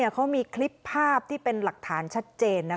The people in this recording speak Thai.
เขามีคลิปภาพที่เป็นหลักฐานชัดเจน